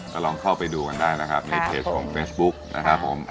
ก็ลองเข้าไปดูกันได้นะครับในเพจของเฟซบุ๊คนะครับผม